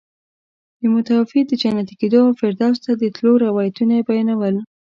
د متوفي د جنتي کېدو او فردوس ته د تلو روایتونه یې بیانول.